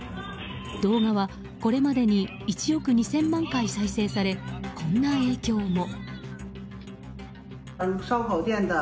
動画はこれまでに１億２０００万回再生されこんな影響も。